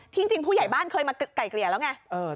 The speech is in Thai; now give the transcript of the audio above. จริงผู้ใหญ่บ้านเคยมาไก่เกลี่ยแล้วไง